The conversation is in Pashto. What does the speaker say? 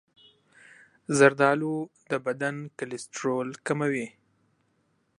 زردآلو د بدن کلسترول کموي.